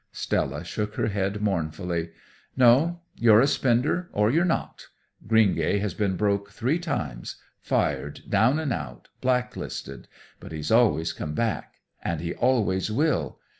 Stella shook her head mournfully. "No, you're a spender or you're not. Greengay has been broke three times, fired, down and out, black listed. But he's always come back, and he always will.